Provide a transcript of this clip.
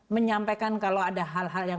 menyampaikan kalau ada hal hal yang